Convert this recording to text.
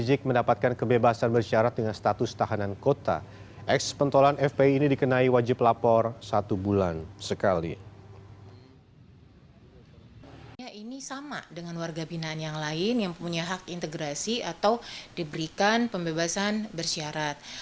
ini sama dengan warga binaan yang lain yang punya hak integrasi atau diberikan pembebasan bersyarat